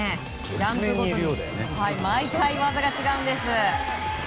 ジャンプごとに毎回技が違うんです。